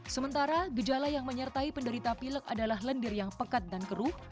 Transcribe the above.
sementara gejala yang menyertai penderita pilek adalah lendir yang pekat dan keruh